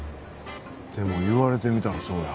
でも言われてみたらそうや。